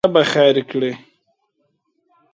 ربه خېر کړې!